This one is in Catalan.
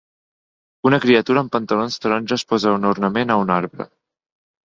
Una criatura amb pantalons taronges posa un ornament a un arbre.